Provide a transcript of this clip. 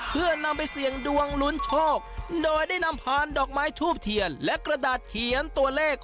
เพื่อนำไปเสี่ยงดวงลุ้นโชคโดยได้นำพานดอกไม้ทูบเทียนและกระดาษเขียนตัวเลข